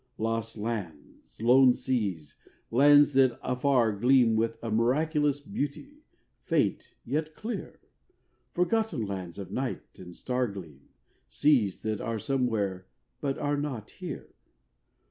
Lost lands, lone seas, lands that afar gleam With a miraculous beauty, faint yet clear, Forgotten lands of night and star gleam, Seas that are somewhere but that are not here.